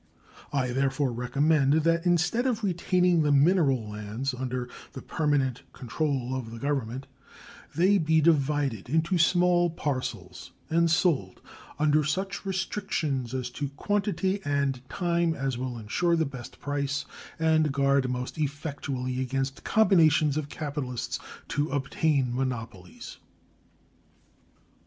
I therefore recommend that instead of retaining the mineral lands under the permanent control of the Government they be divided into small parcels and sold, under such restrictions as to quantity and time as will insure the best price and guard most effectually against combinations of capitalists to obtain monopolies.